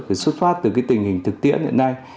thì xuất phát từ cái tình hình thực tiễn hiện nay